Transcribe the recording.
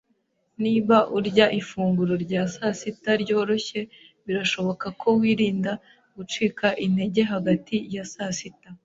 Niba urya ifunguro rya sasita ryoroshye, birashoboka ko wirinda gucika intege hagati ya saa sita.